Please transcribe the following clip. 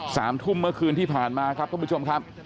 สามทุ่มเมื่อคืนที่ผ่านมาครับทุกผู้ชมครับ